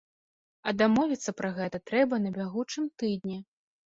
А дамовіцца пра гэта трэба на бягучым тыдні.